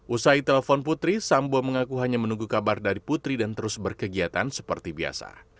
usai telepon putri sambo mengaku hanya menunggu kabar dari putri dan terus berkegiatan seperti biasa